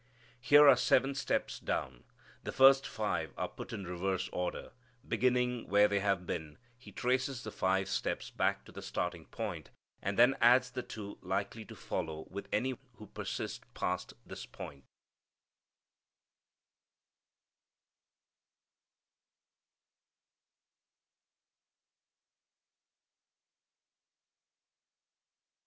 Here are seven steps down. The first five are put in reverse order. Beginning where they have been, he traces the five steps back to the starting point, and then adds the two likely to follow with any who persist past this point.